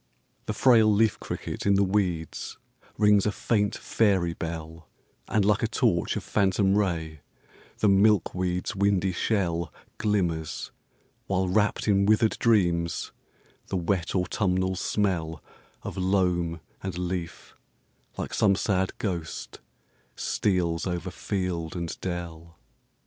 The frail leaf cricket in the weeds rings a faint fairy bell; And like a torch of phantom ray the milkweed's windy shell Glimmers; while wrapped in withered dreams, the wet autumnal smell Of loam and leaf, like some sad ghost, steals over field and dell.